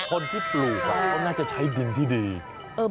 คนที่ปลูกอ่ะเขาน่าจะใช้ดินที่ดี